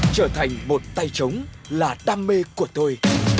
trở thành một tay chống là đam mê của tôi